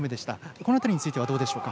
この辺りについてはどうでしょうか。